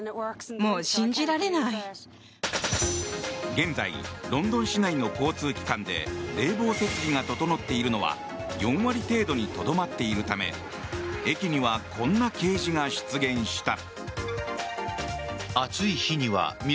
現在ロンドン市内の交通機関で冷房設備が整っているのは４割程度にとどまっているため駅にはこんな掲示が出現した。